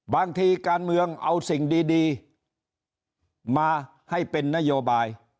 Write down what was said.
บางทีการเมืองเอาสิ่งดีมาให้เป็นนโยบาย